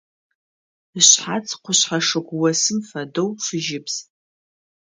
Ышъхьац къушъхьэ шыгу осым фэдэу фыжьыбз.